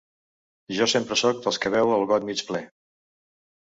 Jo sempre sóc dels que veu el got mig ple.